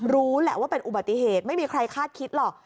รู้แหละว่าเป็นอุบัติเหตุไม่มีใครคาดคิดหรอก